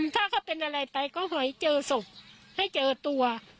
ถ้าเขาเป็นอะไรไปก็หอยเจอศพให้เจอตัว